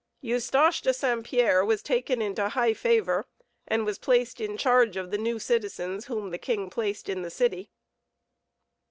Eustache de St. Pierre was taken into high favor, and was placed in charge of the new citizens whom the king placed in the city.